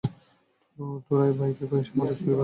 তোরাই বাইকে এসে মাদক চুরি করতি তাই না?